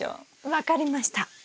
分かりました。